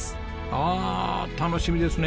ああ楽しみですね。